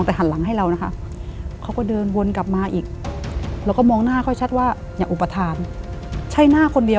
แต่ตัวเขาอาจจะไม่รู้ว่าเขาเสีย